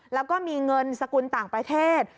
แล้วก็มีเงินสกุลต่างประเทศ